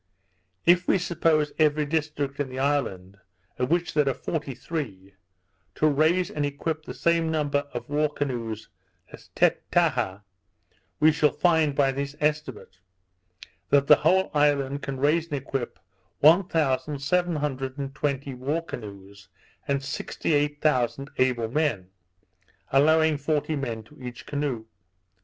If we suppose every district in the island, of which there are forty three, to raise and equip the same number of war canoes as Tettaha, we shall find, by this estimate, that the whole island can raise and equip one thousand seven hundred and twenty war canoes, and sixty eight thousand able men; allowing forty men to each canoe.